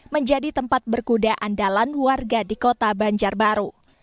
menjadi tempat berkuda andalan warga di kota banjarbaru